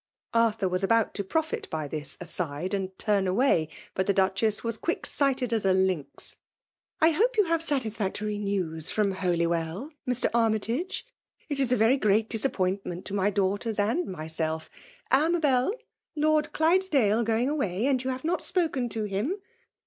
Arthur was about to profit by this cuub, and turn away. But the Dudiess was quick sighted as a lynx. ''I hope you have satisfactory news from Holywell, Mr, Armytage ?— It is a very great disappointment to my daughters and myself — (Amabel !— ^Lord Clydesdale going away, and you have not spoken to him